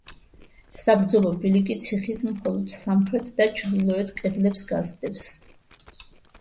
საბრძოლო ბილიკი ციხის მხოლოდ სამხრეთ და ჩრდილოეთ კედლებს გასდევს.